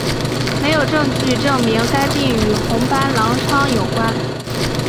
没有证据证明该病和红斑狼疮有关。